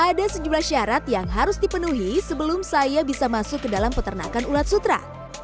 ada sejumlah syarat yang harus dipenuhi sebelum saya bisa masuk ke dalam peternakan ulat sutra